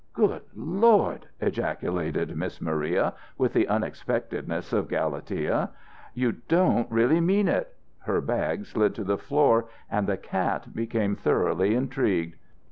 "Good Lord!" ejaculated Miss Maria with all the unexpectedness of Galatea. "You don't really mean it?" Her bag slid to the floor and the cat became thoroughly intrigued.